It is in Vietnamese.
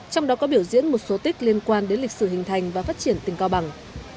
trong đó có biểu diễn một số tích liên quan đến lịch sử hình thành và phát triển tỉnh cao bằng